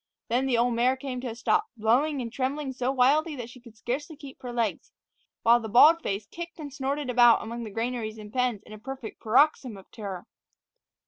Then the old mare came to a stop, blowing and trembling so wildly that she could scarcely keep her legs, while the bald face kicked and snorted about among the granaries and pens in a perfect paroxysm of terror.